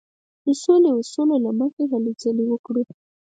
د سولې د اصولو له مخې هلې ځلې وکړو.